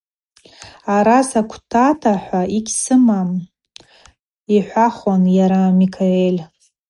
Араса квта-хӏва йгьсымам, – йхӏвахуан йара Микаэль.